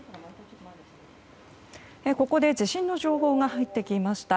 ここで地震の情報が入ってきました。